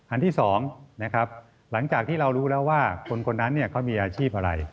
อันที่๒นะครับหลังจากที่เรารู้แล้วว่าคนนั้นเขามีอาชีพอะไร